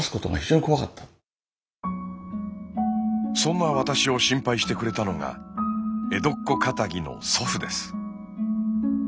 そんな私を心配してくれたのが江戸っ子かたぎの祖父です。